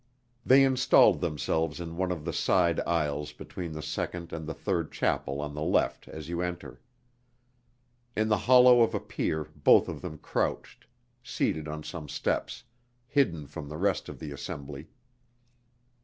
They installed themselves in one of the side aisles between the second and the third chapel on the left as you enter. In the hollow of a pier both of them crouched, seated on some steps, hidden from the rest of the assembly.